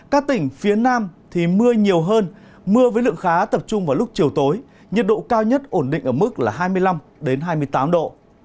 các tỉnh phía nam thì mưa nhiều hơn mưa với lượng khá tập trung vào lúc chiều tối nhiệt độ cao nhất ổn định ở mức hai mươi năm hai mươi tám độ